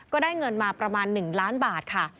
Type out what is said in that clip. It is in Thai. ก็ได้เงินมาประมาณ๑ล้านบาทค่ะ